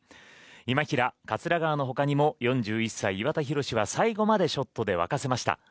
今平、桂川のほかにも４１歳、岩田寛は最後までショットで沸かせました。